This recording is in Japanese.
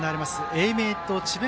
英明と智弁